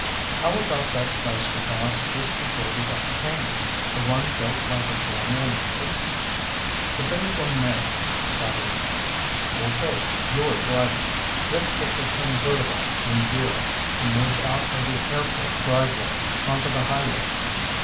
"How about that place we passed just before we got to Cambridge? The one built like a Colonial mansion." "The Bay Gourmet," Scotty remembered. "Okay. You're driving." Rick put the convertible in gear and moved out of the airport driveway onto the highway.